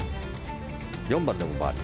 ４番でもバーディー。